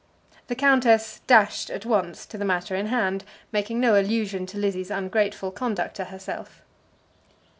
The countess dashed at once to the matter in hand, making no allusion to Lizzie's ungrateful conduct to herself.